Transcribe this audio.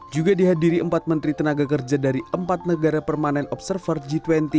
juga dihadiri empat menteri tenaga kerja dari empat negara permanen observer g dua puluh